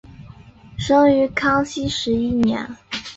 生于康熙十一年。